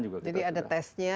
jadi ada testnya